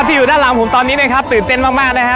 ทัพที่อยู่ด้านหลังผมตอนนี้ตื่นเต้นมากนะครับ